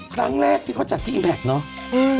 ครั้งแรกที่เขาจัดที่อิมแพคเนอะ